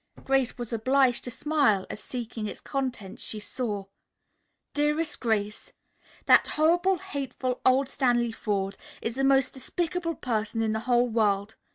Grace was obliged to smile as seeking its contents she saw: "DEAREST GRACE: "That horrible, hateful old Stanley Forde is the most despicable person in the whole world.